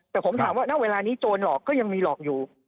แต่ผมถามว่าณเวลานี้โจรหลอกก็ยังมีหลอกอยู่